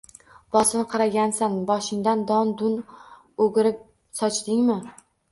Bosinqiragansan boshingdan don-dun o‘girib sochdingmi?.